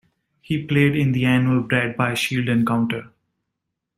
He played in the annual Bradby Shield Encounter.